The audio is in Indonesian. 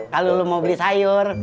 kalau lo mau beli sayur